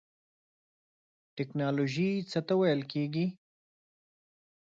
ټیکنالوژی څه ته ویل کیږی؟